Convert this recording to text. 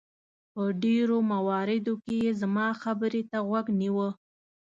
په ډېرو مواردو کې یې زما خبرې ته غوږ نیوه.